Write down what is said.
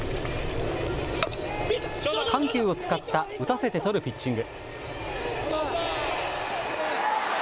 緩急を使った打たせて取るピッチング。